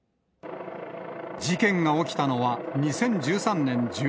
事件が起きたのは、２０１３年１２月。